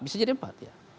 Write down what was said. bisa jadi empat ya